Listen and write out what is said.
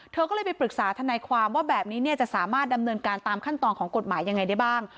เธอก็เลยไปปรึกษาทนายความว่าแบบนี้จะสามารถดำเนินการตามขั้นตอนของกฎหมายยังไงได้บ้าง